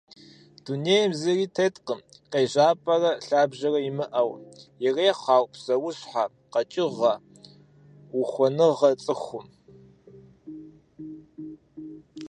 Дунейм зыри теткъым къежьапӏэрэ лъабжьэрэ имыӏэу, ирехъу ар псэущхьэ, къэкӏыгъэ, ухуэныгъэ, цӏыху.